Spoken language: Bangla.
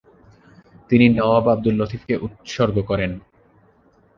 তিনি নওয়াব আবদুল লতিফকে উৎসর্গ করেন।